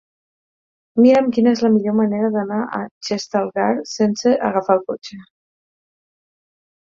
Mira'm quina és la millor manera d'anar a Xestalgar sense agafar el cotxe.